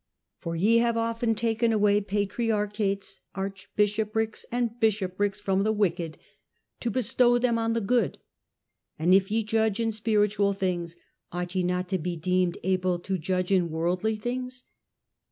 For ye have often taken away patriarchates, archbishoprics, and bishop rics from the wicked, to bestow them on the good. And if ye judge in spiritual things, ought ye not to be deemed able to judge in worldly things